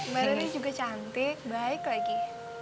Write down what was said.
mbak daryl ini juga cantik baik lagi